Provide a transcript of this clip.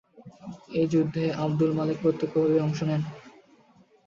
এই যুদ্ধে আবদুল মালেক প্রত্যক্ষভাবে অংশ নেন।